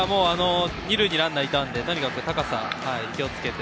２塁のランナーがいたのでとにかく高さに気を付けて。